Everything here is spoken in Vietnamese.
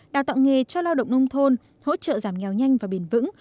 đào tạo nghề cho lao động nông thôn hỗ trợ giảm nghèo nhanh và bền vững